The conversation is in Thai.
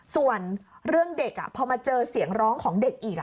ส่วนเรื่องเด็กพอมาเจอเสียงร้องของเด็กอีก